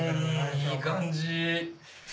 いい感じ。